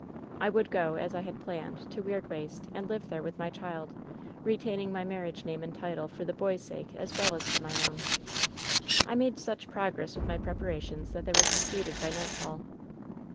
"I would go, as I had planned, to Weirdwaste, and live there with my child, retaining my marriage name and title for the boy's sake as well as for my own. "I made such progress with my preparations that they were completed by nightfall.